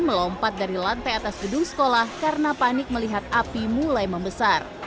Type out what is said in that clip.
melompat dari lantai atas gedung sekolah karena panik melihat api mulai membesar